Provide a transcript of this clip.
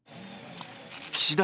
岸田